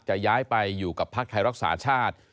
ย้ายไปอยู่กับพักไทยรักษาชาติ